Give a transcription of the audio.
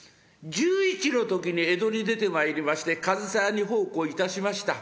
１１の時に江戸に出てまいりまして上総屋に奉公いたしました。